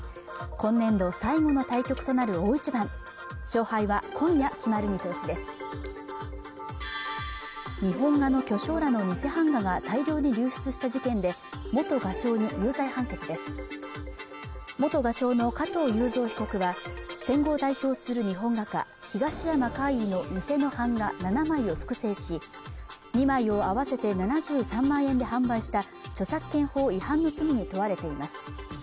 今年度最後の対局となる大一番勝敗は今夜決まる見通しです日本画の巨匠らの偽版画が大量に流出した事件で元画商に有罪判決です元画商の加藤雄三被告は戦後を代表する日本画家東山魁夷の偽の版画７枚を複製し２枚を合わせて７３万円で販売した著作権法違反の罪に問われています